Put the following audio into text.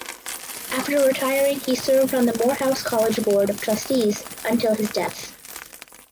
After retiring he served on the Morehouse College Board of Trustees until his death.